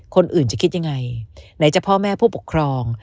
คนอื่นจะคิดยังไงไหนจะพ่อแม่ผู้ปกครอง